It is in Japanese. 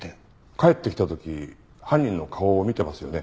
帰ってきた時犯人の顔を見てますよね？